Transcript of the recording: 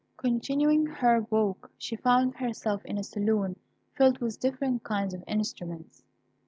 Continuing her walk, she found herself in a saloon filled with different kinds of instruments.